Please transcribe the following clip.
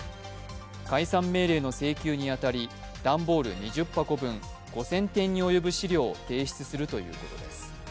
解散命令の請求に当たり、段ボール２０箱分、５０００点に及ぶ資料を提出するということです。